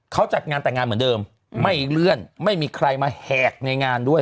เขาจัดงานแต่งงานเหมือนเดิมไม่เลื่อนไม่มีใครมาแหกในงานด้วย